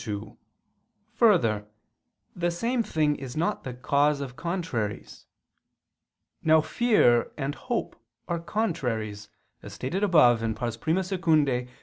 2: Further, the same thing is not the cause of contraries. Now fear and hope are contraries, as stated above (I II, Q.